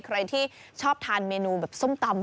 ใครที่ชอบทานเมนูแบบส้มตำ